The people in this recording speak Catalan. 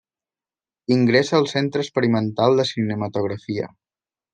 Ingressa al centre experimental de Cinematografia.